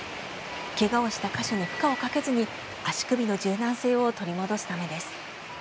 けがをした箇所に負荷をかけずに足首の柔軟性を取り戻すためです。